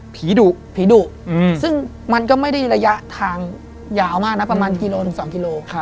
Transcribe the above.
ผีดุผีดุซึ่งมันก็ไม่ได้ระยะทางยาวมากนะประมาณกิโลถึง๒กิโล